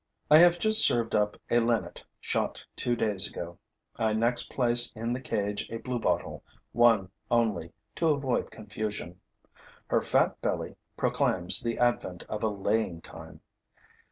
I have just served up a Linnet shot two days ago. I next place in the cage a bluebottle, one only, to avoid confusion. Her fat belly proclaims the advent of a laying time.